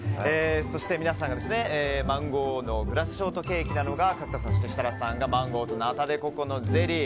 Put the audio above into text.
そしてマンゴーのグラスショートケーキなのが角田さん、設楽さんがマンゴーとナタデココのゼリー。